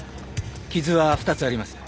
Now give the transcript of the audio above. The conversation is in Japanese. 傷は２つあります。